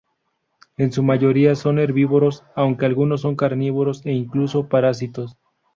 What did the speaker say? En su mayoría son herbívoros, aunque algunos son carnívoros e incluso parásitos.